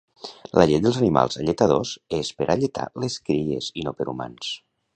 La llet dels animals alletadors és per alletar les cries i no per humans